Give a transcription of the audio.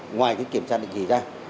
ngoài cái kiểm tra định kỳ ra